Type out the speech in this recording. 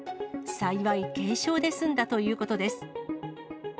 幸い、軽傷で済んだということです。